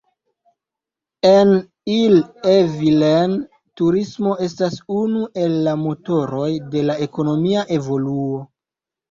En Ille-et-Vilaine, turismo estas unu el la motoroj de la ekonomia evoluo.